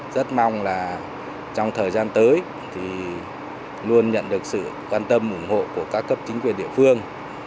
rất mong là trong thời gian tới thì luôn nhận được sự quan tâm ủng hộ của các cấp chính quyền địa phương